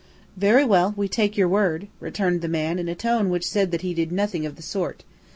"Very well, we take your word," returned the man, in a tone which said that he did nothing of the sort.